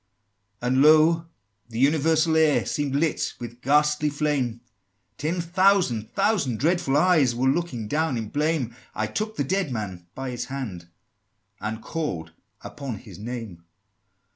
XVII. "And, lo! the universal air Seemed lit with ghastly flame; Ten thousand thousand dreadful eyes Were looking down in blame: I took the dead man by his hand, And called upon his name!"